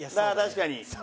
確かに。